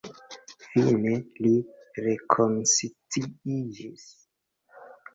Fine li rekonsciiĝis.